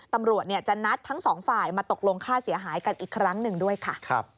ตำรวจจะนัดทั้งสองฝ่ายมาตกลงค่าเสียหายกันอีกครั้งหนึ่งด้วยค่ะ